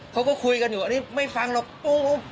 เขาก็คุยกันอยู่อันนี้ไม่ฟังหรอกปุ๊บ